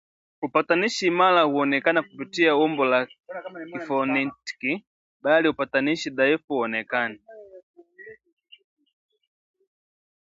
Upatanishi imara huonekana kupitia umbo la kifonetiki bali upatanishi dhaifu hauonekani